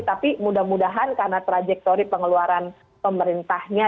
tapi mudah mudahan karena trajektori pengeluaran pemerintahnya